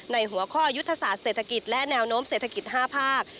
หัวข้อยุทธศาสตร์เศรษฐกิจและแนวโน้มเศรษฐกิจ๕ภาค